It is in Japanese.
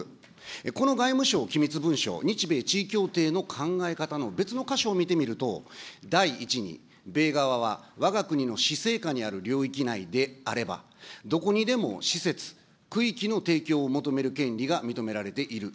この外務省機密文書、日米地位協定の考え方の別の箇所を見てみると、第１に、米側はわが国の施政下にある領域内であれば、どこにでも施設、区域の提供を求める権利が認められている。